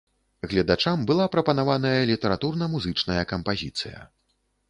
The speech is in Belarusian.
Гледачам была прапанаваная літаратурна-музычная кампазіцыя.